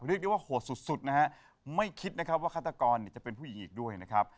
เรียกได้ว่าโหดสุดนะฮะไม่คิดนะครับว่าฆาตกรจะเป็นผู้หญิงอีกด้วยนะครับ